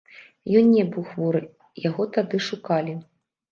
Ён не быў хворы, яго тады шукалі.